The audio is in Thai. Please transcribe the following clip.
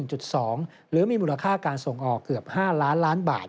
หรือมีมูลค่าการส่งออกเกือบ๕ล้านล้านบาท